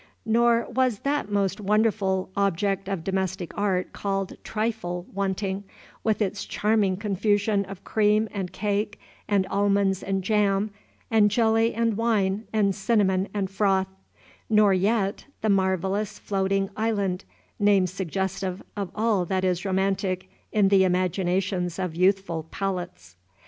Nor was that most wonderful object of domestic art called trifle wanting, with its charming confusion of cream and cake and almonds and jam and jelly and wine and cinnamon and froth; nor yet the marvellous floating island, name suggestive of all that is romantic in the imaginations of youthful palates.